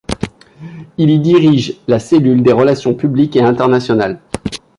Il y dirige la cellule des relations publiques et internationales.